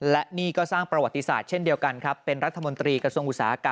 และนี่ก็สร้างประวัติศาสตร์เช่นเดียวกันครับเป็นรัฐมนตรีกระทรวงอุตสาหกรรม